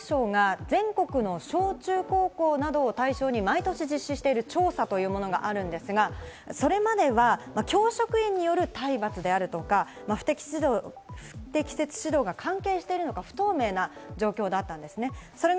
文部科学省が全国の小中高校などを対象に毎年実施している調査というものがあるんですが、それまでは教職員による体罰であるとか不適切指導が関係しているのか、不透明な状況だったんですね。